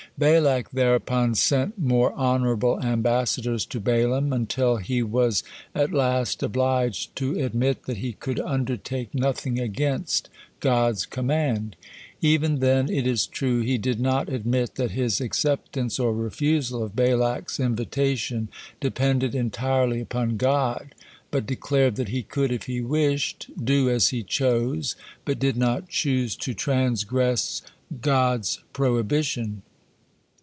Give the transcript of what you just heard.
Balak thereupon sent more honorable ambassadors to Balaam, until he was at last obliged to admit that he could undertake nothing against God's command. Even then, it is true, he did not admit that his acceptance or refusal of Balak's invitation depended entirely upon God, but declared that he could, if he wished, do as he chose, but did not choose to transgress God's prohibition.